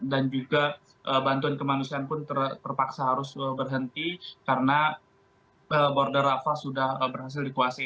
juga bantuan kemanusiaan pun terpaksa harus berhenti karena border rafa sudah berhasil dikuasai